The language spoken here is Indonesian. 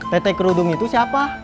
tetek kerudung itu siapa